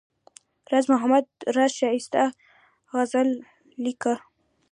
راز محمد راز ښایسته غزل لیکله.